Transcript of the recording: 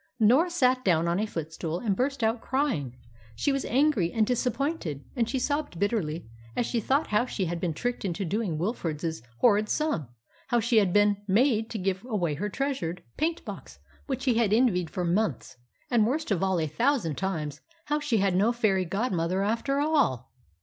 Norah sat down on a footstool and burst out crying. She was angry and disappointed, and she sobbed bitterly as she thought how she had been tricked into doing Wilfrid's horrid sum, how she had been made to give away her treasured paint box which he had envied for months, and, worst of all a thousand times, how she had no fairy godmother after all!